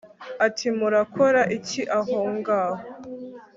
ati murakora iki aho ngaho